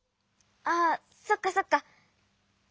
ああそっかそっか。